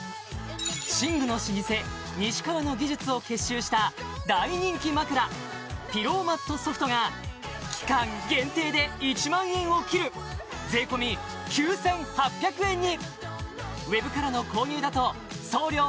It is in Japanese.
寝具の老舗西川の技術を結集した大人気枕ピローマットＳｏｆｔが期間限定で１万円を切る税込９８００円に！